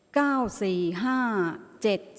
ออกรางวัลที่๖เลขที่๗